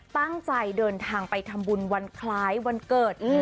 ตั้งใจเดินทางไปทำบุญวันคล้ายวันเกิด